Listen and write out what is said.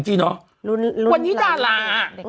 จริงเนอะวันนี้ดารา